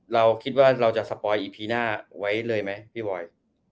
เราคิดว่าเราจะสปอยอีพีหน้าไว้เลยไหมพี่บอย